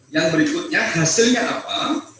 yang berikutnya hasilnya apa